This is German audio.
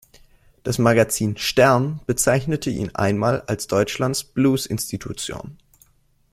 Das Magazin „stern“ bezeichnete ihn einmal als "„Deutschlands Blues-Institution“".